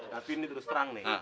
tapi ini terus terang nih